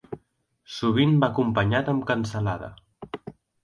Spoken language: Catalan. Sovint va acompanyat amb cansalada.